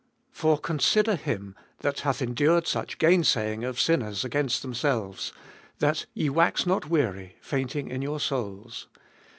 For consider him that hath endured such gainsaying of sinners against themselves, that ye wax not weary, fainting in your souls.